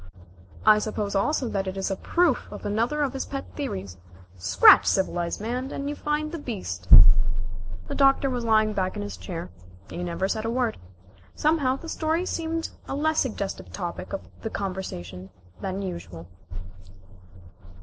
"I suppose also that it is a proof of another of his pet theories. Scratch civilized man, and you find the beast." The Doctor was lying back in his chair. He never said a word. Somehow the story seemed a less suggestive topic of conversation than usual.